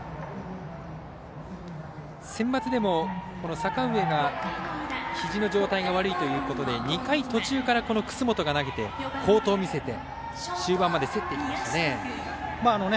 センバツでも阪上がひじの状態が悪いということで２回途中から楠本が投げて好投を見せて終盤まで競ってきましたね。